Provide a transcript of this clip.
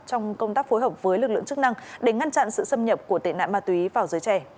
trong công tác phối hợp với lực lượng chức năng để ngăn chặn sự xâm nhập của tệ nạn ma túy vào giới trẻ